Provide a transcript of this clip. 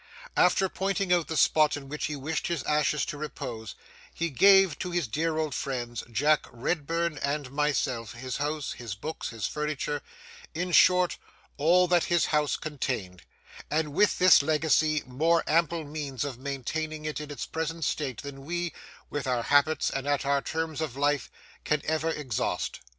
After pointing out the spot in which he wished his ashes to repose, he gave to 'his dear old friends,' Jack Redburn and myself, his house, his books, his furniture,—in short, all that his house contained; and with this legacy more ample means of maintaining it in its present state than we, with our habits and at our terms of life, can ever exhaust.